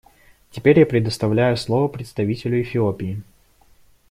Теперь я предоставляю слово представителю Эфиопии.